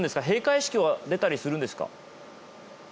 閉会式は出たりするんですか？